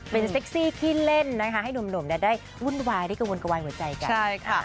เป็นเซ็กซี่ขี้เล่นนะคะให้หนุ่มได้วุ่นวายได้กระวนกระวายหัวใจกันใช่ค่ะ